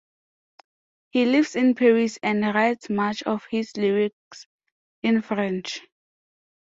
He lives in Paris and writes much of his lyrics in French.